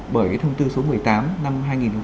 bởi thông tư số một mươi tám năm hai nghìn một mươi